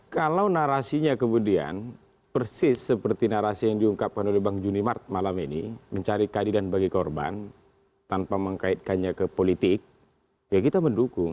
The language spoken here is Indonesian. kalau narasinya kemudian persis seperti narasi yang diungkapkan oleh bang juni mart malam ini mencari kandidat bagi korban tanpa mengkaitkannya ke politik ya kita mendukung